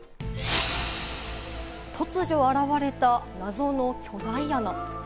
突如現れた謎の巨大穴。